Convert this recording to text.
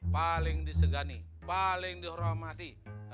paling disegani paling dihormati